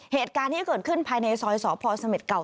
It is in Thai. เหตุการณ์ที่เกิดขึ้นภายในซอยสพเสม็ดเก่า